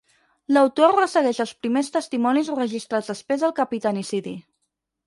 L'autor ressegueix els primers testimonis registrats després del capitanicidi.